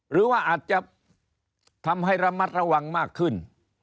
หรือว่าอาจจะทำให้ระมัดระวังมากขึ้น